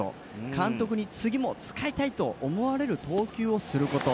監督に次も使いたいと思われる投球をすること。